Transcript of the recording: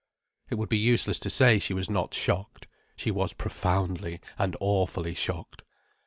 It would be useless to say she was not shocked. She was profoundly and awfully shocked.